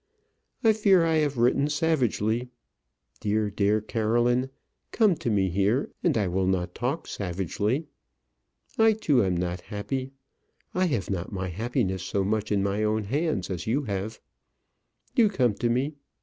I fear I have written savagely. Dear, dear Caroline, come to me here, and I will not talk savagely. I too am not happy. I have not my happiness so much in my own hands as you have. Do come to me.